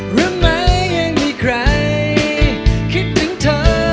หรือไม่ยังมีใครคิดถึงเธอ